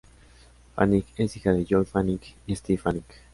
Fanning es hija de Joy Fanning y Steve Fanning.